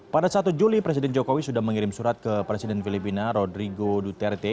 pada satu juli presiden jokowi sudah mengirim surat ke presiden filipina rodrigo duterte